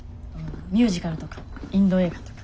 ミュージカルとかインド映画とか。